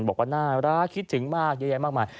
บอกว่าน่ารักคิดถึงมากเยอะแยะมากมาย